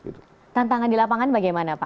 tantangan di lapangan bagaimana pak